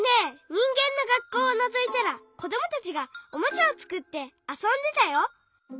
にんげんの学校をのぞいたらこどもたちがおもちゃをつくってあそんでたよ。